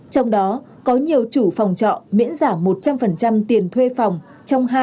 trong đó có nhiều chủ phòng trọ miễn giảm một trăm linh tiền thuê phòng trong hai ba tháng